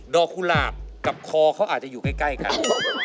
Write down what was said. กุหลาบกับคอเขาอาจจะอยู่ใกล้กัน